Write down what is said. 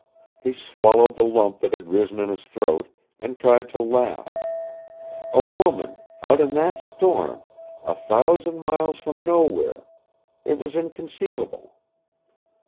He swallowed the lump that had risen in his throat, and tried to laugh. A WOMAN out in that storm a thousand miles from nowhere! It was inconceivable.